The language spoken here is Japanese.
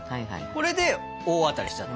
これで大当たりしたんだ。